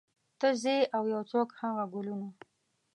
ته ځې او یو څوک هغه ګلونه